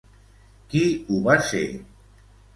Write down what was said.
Qui ho va ser?